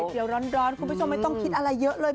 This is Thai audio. เดี๋ยวร้อนคุณผู้ชมไม่ต้องคิดอะไรเยอะเลย